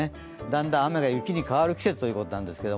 だんだん、雨が雪に変わる季節ということで。